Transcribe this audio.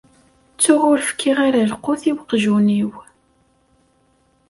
Ttuɣ ur fkiɣ ara lqut i weqjun-iw.